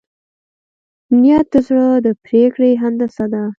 نیت د زړه د پرېکړې هندسه ده.